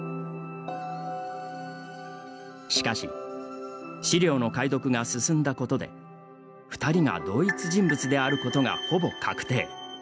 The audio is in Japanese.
しかし資料の解読が進んだことで二人が同一人物であることがほぼ確定。